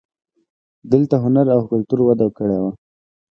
دلته هنر او کلتور وده کړې وه